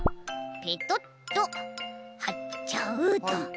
ペトッとはっちゃうと。